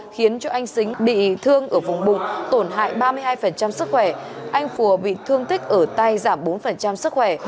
khiến cho anh xính bị thương ở vùng bụng tổn hại ba mươi hai sức khỏe anh phùa bị thương tích ở tay giảm bốn sức khỏe